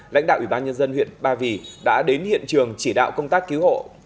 lãnh đạo ủy ban nhân dân huyện ba vì đã đến hiện trường chỉ đạo công tác cứu hộ